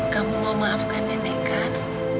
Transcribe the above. kamu mau maafkan nenek kan